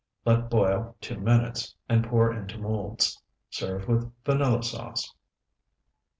Let boil two minutes, and pour into molds. Serve with vanilla sauce.